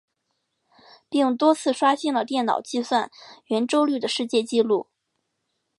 并多次刷新了电脑计算圆周率的世界纪录。